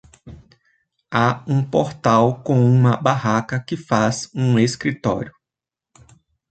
Há um portal com uma barraca que faz um escritório.